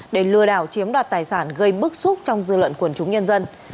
để lừa đảo chiếm đoạt tài sản gây bức xúc trong dư luận quần chúng nhân dân